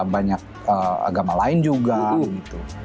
banyak agama lain juga gitu